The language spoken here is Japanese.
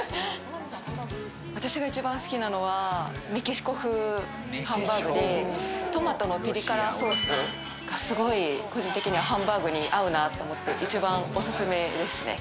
私が一番好きなのはメキシコ風ハンバーグで、トマトのピリ辛ソースがすごい個人的にはハンバーグに合うなと思って、一番おすすめですね。